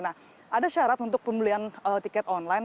nah ada syarat untuk pembelian tiket online